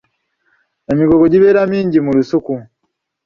Emigogo gibeera mingi mu lusuku.